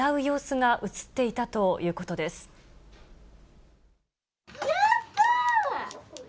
やったー！